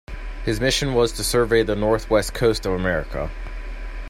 His mission was to survey the northwest coast of America.